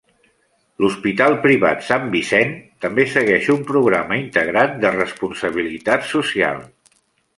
L'hospital privat Sant Vicent també segueix un programa integrat de responsabilitat social.